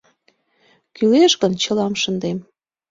— Кӱлеш гын, чылам шындем!